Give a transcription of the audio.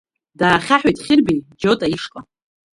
Даахьаҳәит Хьырбеи Џьота ишҟа.